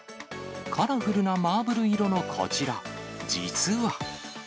カラフルなマーブル色のこちら、実は。